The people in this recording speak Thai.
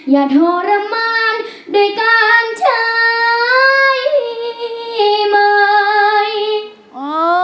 อย่าทรมานด้วยการใช้ไม้